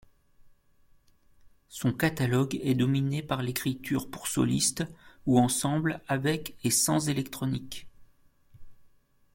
Son catalogue est dominé par l'écriture pour soliste ou ensemble avec et sans électronique.